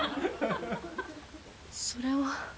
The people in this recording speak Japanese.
それは。